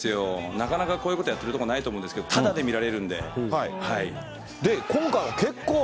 なかなかこういうことやってるとこないと思うんですけど、ただで見られるんで。